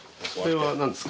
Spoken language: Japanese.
それは何ですか？